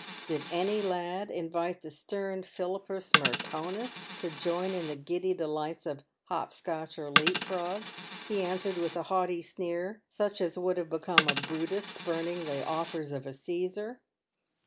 Did any lad invite the stern Philippus Mertonus to join in the giddy delights of " hop scotch," or "leap frog," he answered with a haughty sneer, such as would have become a Brutus spurning the offers of a Caesar.